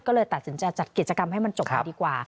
ก็เลยตัดสินใจจัดกิจกรรมให้มันจบไปดีกว่า